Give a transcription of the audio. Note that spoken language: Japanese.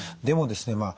でもですね